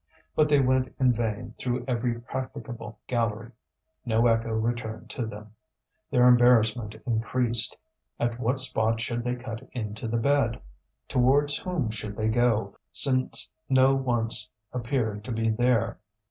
But they went in vain through every practicable gallery; no echo returned to them. Their embarrassment increased. At what spot should they cut into the bed? Towards whom should they go, since no once appeared to be there?